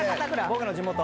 僕の地元。